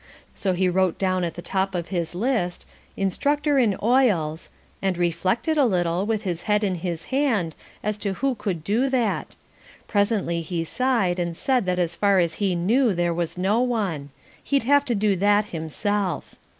So he wrote down at the top of his list, Instructor in Oils, and reflected a little, with his head in his hand, as to who could do that. Presently he sighed and said that as far as he knew there was no one; he'd have to do that himself.